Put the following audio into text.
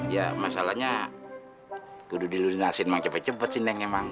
ya masalahnya kududulu lunasin memang cepet cepet sih nenek emang